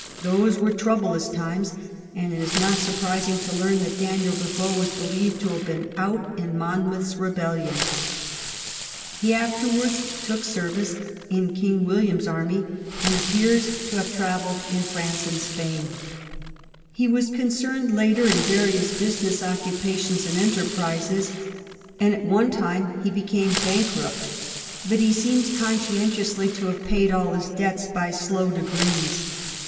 Those were troublous times, and it is not surprising to learn that Daniel Defoe was believed to have been " out *^ in Monmouth's rebellion. He afterwards took service in King William's army, and appears to have 69 THE REIGN OF QUEEN ANNE travelled in France and Spain. He was concerned later in various business occupations and enterprises, and at one time he became bankrupt, but he seems conscientiously to have paid all his debts by slow de grees.